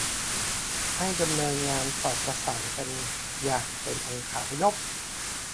ให้ดำเนินงานสอดประสานกันอย่างเป็นองคาพยพ